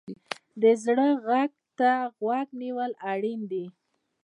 د زړه غږ ته غوږ نیول اړین دي.